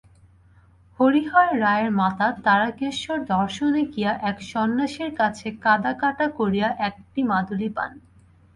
হরিহর রায়ের মাতা তারকেশ্বর দর্শনে গিয়া এক সন্ন্যাসীর কাছে কাঁদাকাটা করিয়া একটি মাদুলি পান।